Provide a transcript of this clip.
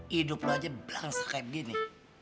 hidup lu aja belangsa kayak begini